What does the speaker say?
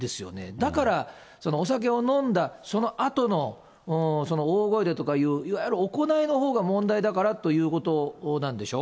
だから、お酒を飲んだそのあとの大声でという、いわゆる行いのほうが問題だからということなんでしょ。